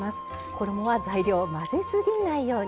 衣は材料を混ぜ過ぎないように。